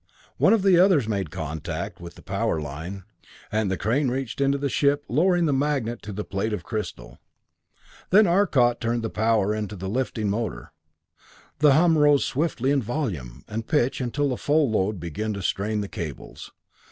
One of the others made contact with the power line, and the crane reached into the ship, lowering the magnet to the plate of crystal. Then Arcot turned the power into the lifting motor. The hum rose swiftly in volume and pitch till the full load began to strain the cables.